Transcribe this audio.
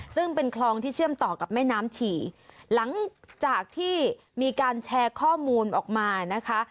ซึ่งเป็นคลองที่เชื่อมต่อกับแม่น้ำฉี่หลังจากที่มีการแชร์ข้อมูลออกมานะคะ